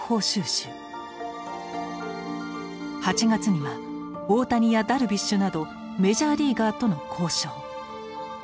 ８月には大谷やダルビッシュなどメジャーリーガーとの交渉。